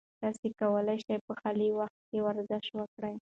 تاسي کولای شئ په خالي وخت کې ورزش وکړئ.